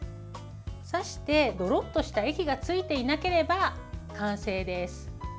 刺してドロッとした液がついていなければ完成です。